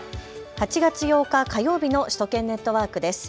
８月８日、火曜日の首都圏ネットワークです。